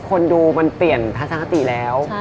คนดูมันเปลี่ยนทัศนคติแล้ว